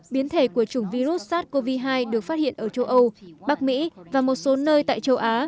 biến thể của chủng virus sars cov hai được phát hiện ở châu âu bắc mỹ và một số nơi tại châu á